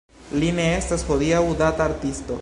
Li ne estas hodiaŭ-data artisto.